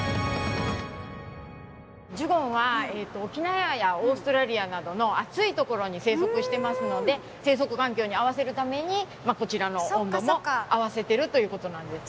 ジュゴンは沖縄やオーストラリアなどの暑いところに生息してますので生息環境に合わせるためにこちらの温度も合わせてるということなんですね。